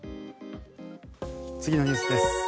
次のニュースです。